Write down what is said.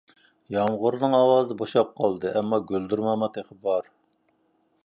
يامغۇرنىڭ ئاۋازى بوشاپ قالدى، ئەمما گۈلدۈرماما تېخى بار.